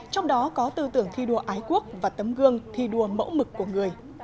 trong đó có tư tưởng thi đua ái quốc và tấm gương thi đua mẫu mực của người